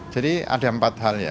jadi ada empat hal ya